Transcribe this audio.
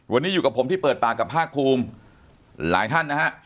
วันนี้อยู่กับผมที่เปิดปากกับภาคภูมิหลายท่านนะฮะ